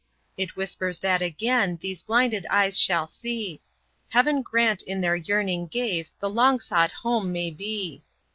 It whispers that again these blinded eyes shall see; Heaven grant in their yearning gaze the long sought home may be!